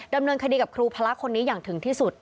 ดำเนินคดีกับครูพระคนนี้อย่างถึงที่สุด